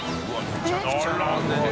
めちゃくちゃ並んでるな。